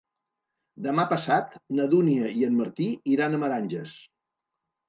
Demà passat na Dúnia i en Martí iran a Meranges.